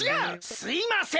すいません。